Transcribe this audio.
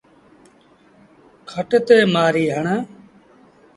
کٽ تي مهآري هڻ۔